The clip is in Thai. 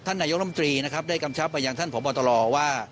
ท่านนายกล้องดำตรีนะครับได้กำชับไปอย่างท่านผ่อบอตรว่า